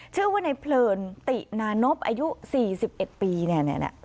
ชื่อว่าในเพลินตินานบอายุสี่สิบเอ็ดปีเนี่ยเนี่ยเนี่ย